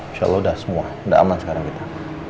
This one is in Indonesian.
insya allah udah semua udah aman sekarang kita